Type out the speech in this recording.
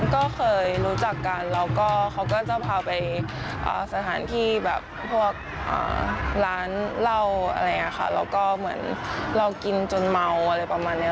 ก็เคยรู้จักกันแล้วก็เขาก็จะพาไปสถานที่แบบพวกร้านเหล้าอะไรอย่างนี้ค่ะแล้วก็เหมือนเรากินจนเมาอะไรประมาณนี้